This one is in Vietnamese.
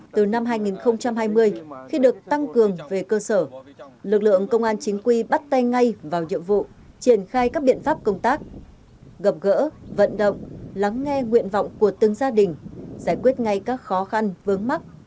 từ năm hai nghìn hai mươi khi được tăng cường về cơ sở lực lượng công an chính quy bắt tay ngay vào nhiệm vụ triển khai các biện pháp công tác gặp gỡ vận động lắng nghe nguyện vọng của từng gia đình giải quyết ngay các khó khăn vướng mắt